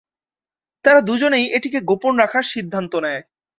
তারা দু'জনেই এটিকে গোপন রাখার সিদ্ধান্ত নেয়।